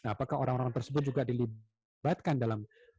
apakah orang orang tersebut juga dilibatkan dalam